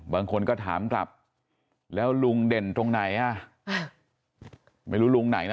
บางคนก็ถามกลับแล้วลุงเด่นตรงไหนอ่ะไม่รู้ลุงไหนนะ